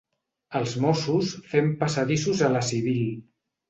Els mossos fent passadissos a la civil.